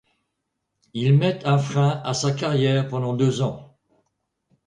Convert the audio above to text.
Il met un frein à sa carrière pendant deux ans.